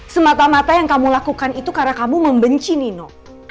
semata mata yang kamu lakukan itu karena kamu membenci nino